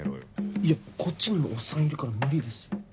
いやこっちにもおっさんいるから無理ですよ。